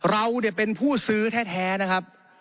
เราเนี่ยเป็นผู้ซื้อแท้นะครับ